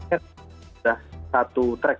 ada satu track